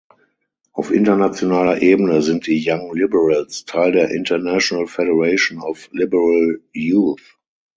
Auf internationaler Ebene sind die Young Liberals Teil der International Federation of Liberal Youth.